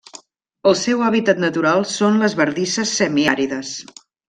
El seu hàbitat natural són les bardisses semiàrides.